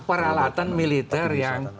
peralatan militer yang